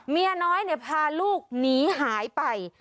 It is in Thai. เมียน้อยพาลูกหนีหายไป